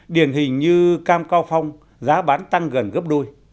điển hình như cam cao phong giá bán tăng gần gấp đôi